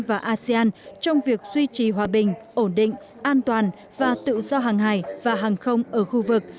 và asean trong việc duy trì hòa bình ổn định an toàn và tự do hàng hải và hàng không ở khu vực